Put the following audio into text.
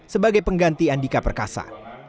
sebagai pengganti andika perkasa